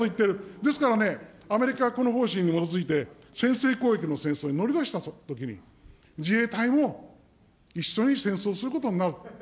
ですからね、アメリカがこのこの方針に基づいて先制攻撃に乗り出したときに、自衛隊も一緒に戦争することになる。